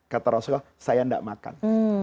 kata rasulullah saya tidak makan